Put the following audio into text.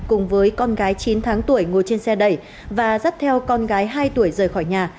cùng với con gái chín tháng tuổi ngồi trên xe đẩy và dắt theo con gái hai tuổi rời khỏi nhà